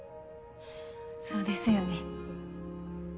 そうですよね。